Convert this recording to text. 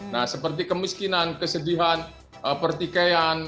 nah seperti kemiskinan kesedihan pertikaian